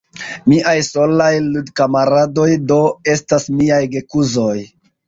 Miaj solaj ludkamaradoj, do, estas miaj gekuzoj.